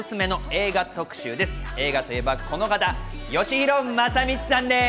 映画といえばこの方、よしひろまさみちさんです。